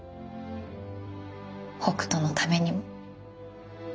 北斗のためにも。